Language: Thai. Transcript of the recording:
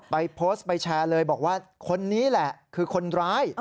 ไปโพสต์ไปแชร์เลยบอกว่าคนนี้แหละคือคนร้าย